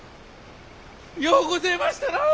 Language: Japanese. ようごぜましたなあ。